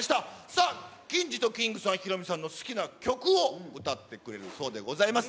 さあ、キンジとキングさん、ヒロミさんの好きな曲を歌ってくれるそうでございます。